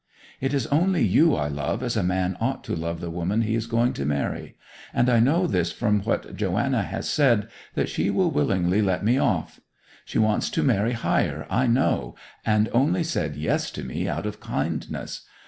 'It is only you I love as a man ought to love the woman he is going to marry; and I know this from what Joanna has said, that she will willingly let me off! She wants to marry higher I know, and only said "Yes" to me out of kindness.